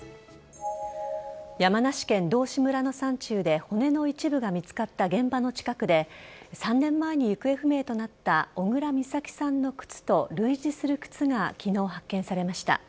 山梨県道志村の山中で骨の一部が見つかった現場の近くで３年前に行方不明となった小倉美咲さんの靴と類似する靴が昨日、発見されました。